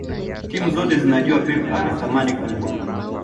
timu zote zinajua pep ana thamani kubwa